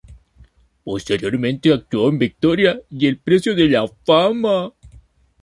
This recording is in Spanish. Posteriormente actuó en "Victoria" y "El precio de la fama".